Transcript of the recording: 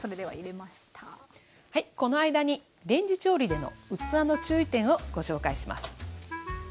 はいこの間にレンジ調理での器の注意点をご紹介します。